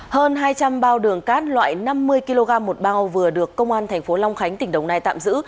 hơn hai trăm linh bao đường cát loại năm mươi kg một bao vừa được công an thành phố long khánh tỉnh đồng nai tạm giữ